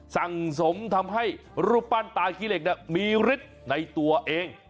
สมทำให้รูปปั้นตาขี้เหล็กมีฤทธิ์ในตัวเอง